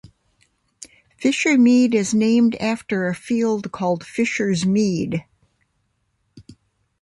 Fishermead is named after a field called Fishers Mead.